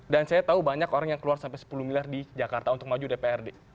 dan saya tahu banyak orang yang keluar sampai sepuluh miliar di jakarta untuk maju dprd